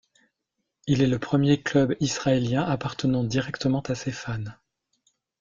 Il est le premier club israélien appartenant directement à ses fans.